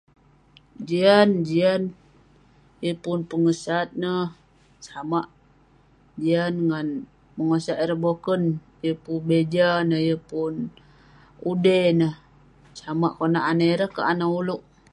Jian jian. Yeng pun pengesat neh, samak jian ngan bengosak ireh boken. Yeng pun beja neh, yeng pun udey neh. Samak konak anah ireh kek anah ulouk.